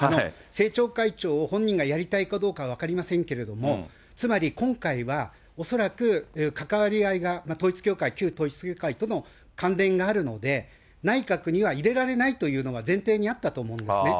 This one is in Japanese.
政調会長を本人がやりたいかどうか分かりませんけれども、つまり今回は、恐らく関わり合いが、統一教会、旧統一教会との関連があるので、内閣には入れられないというのが前提にあったと思うんですね。